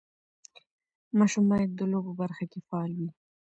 ماشوم باید د لوبو برخه کې فعال وي.